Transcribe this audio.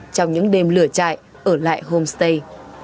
trong những đêm lửa chạy ở lại homestay